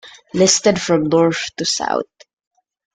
Listed from north to south.